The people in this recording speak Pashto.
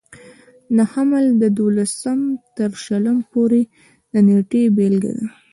د حمل له دولسم تر شلم پورې د نېټې بېلګه ده.